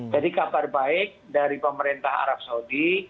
kabar baik dari pemerintah arab saudi